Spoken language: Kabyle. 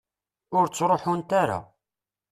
Ur ttruḥunt ara.